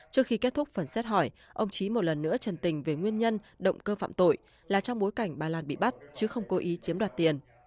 trước khi kết thúc phần xét hỏi ông trí một lần nữa trần tình về nguyên nhân động cơ phạm tội là trong bối cảnh bà lan bị bắt chứ không cố ý chiếm đoạt tiền